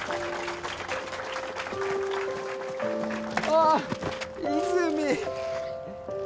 ああ泉実